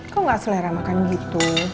kok gak selera makan gitu